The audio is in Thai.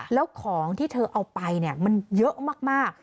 แล้วของที่เธอเอาไปมันเยอะมาก